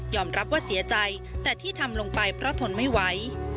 รับว่าเสียใจแต่ที่ทำลงไปเพราะทนไม่ไหว